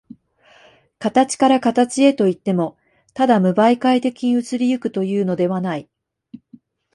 形から形へといっても、ただ無媒介的に移り行くというのではない。